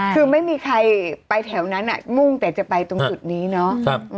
คือไม่มีใครไปแถวนั้นมุ่งแต่จะไปตรงจุดนี้เนาะ